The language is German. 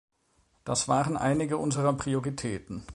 Das waren einige unserer Prioritäten.